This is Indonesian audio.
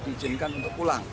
dijinkan untuk pulang